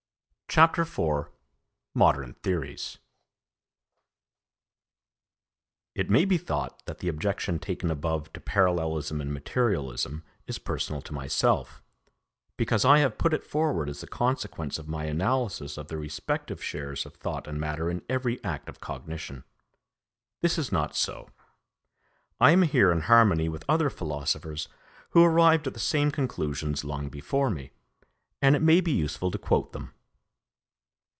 "] CHAPTER IV MODERN THEORIES It may be thought that the objection taken above to parallelism and materialism is personal to myself, because I have put it forward as the consequence of my analysis of the respective shares of thought and matter in every act of cognition. This is not so. I am here in harmony with other philosophers who arrived at the same conclusions long before me, and it may be useful to quote them.